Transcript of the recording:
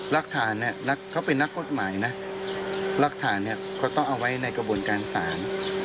หลักฐานเนี่ยเขาเป็นนักกฎหมายนะรักฐานเนี่ยเขาต้องเอาไว้ในกระบวนการศาล